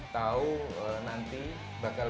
tahu nanti bakal